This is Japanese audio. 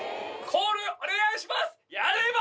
コールお願いします！